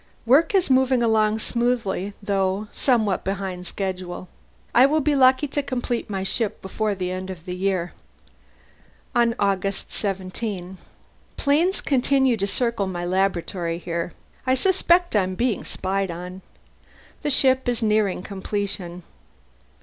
Work is moving along smoothly, though somewhat behind schedule; I shall be lucky to complete my ship before the end of the year." On August 17: "Planes continue to circle my laboratory here. I suspect I am being spied on. The ship is nearing completion.